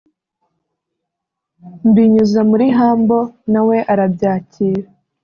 mbinyuza muri Humble nawe arabyakira